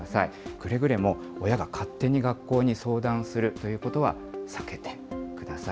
くれぐれも親が勝手に学校に相談するということは避けてください。